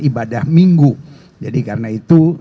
ibadah minggu jadi karena itu